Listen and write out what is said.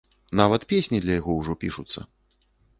Нават песні для яго ўжо пішуцца.